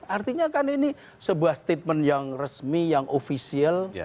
artinya kan ini sebuah statement yang resmi yang ofisial